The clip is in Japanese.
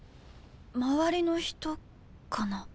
周りの人かな？